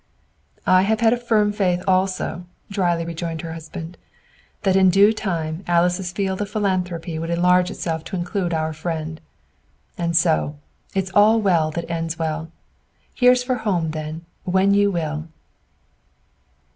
"I have had a firm faith also," drily rejoined her husband, "that in due time Alice's field of philanthropy would enlarge itself to include our friend. And so, it's all well that ends well! Here's for home, then, when you will!"